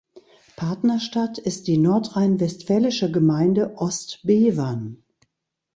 Partnerstadt ist die nordrhein-westfälische Gemeinde Ostbevern.